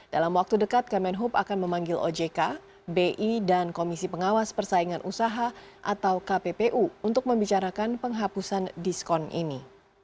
dalam waktu dekat kemenhub akan memanggil ojk bi dan komisi pengawas persaingan usaha atau kppu untuk membicarakan penghapusan diskon ini